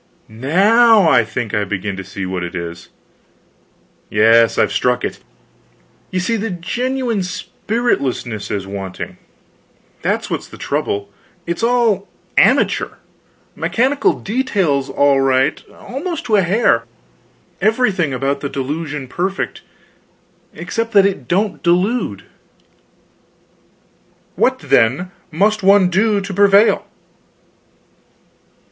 Now I think I begin to see what it is. Yes, I've struck it. You see, the genuine spiritlessness is wanting; that's what's the trouble. It's all amateur mechanical details all right, almost to a hair; everything about the delusion perfect, except that it don't delude." "What, then, must one do, to prevail?"